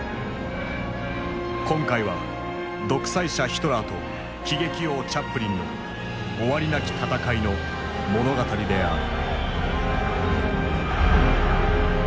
今回は独裁者ヒトラーと喜劇王チャップリンの終わりなき闘いの物語である。